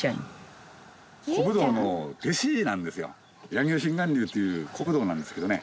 柳生心眼流という古武道なんですけどね。